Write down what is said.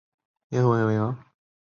出身于千叶县。